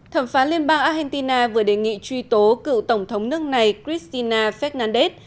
thẩm phán liên bang argentina vừa đề nghị truy tố cựu tổng thống nước này cristina fernández